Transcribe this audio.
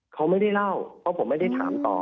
เขาไม่ได้เล่าเพราะผมไม่ได้ถามต่อ